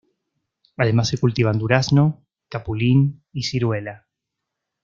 Además se cultivan durazno, capulín y ciruela.